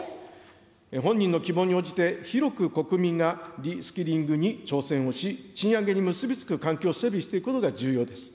本人の希望に応じて広く国民が、リスキリングに挑戦をし、賃上げに結び付く環境を整備していくことが重要です。